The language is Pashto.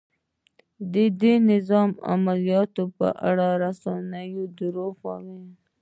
د دې نظامي عملیاتو په اړه رسنیو ته دروغ وايي؟